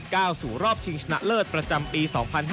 สู่รอบชิงชนะเลิศประจำปี๒๕๕๙